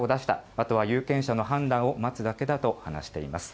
あとは有権者の判断を待つだけだと話しています。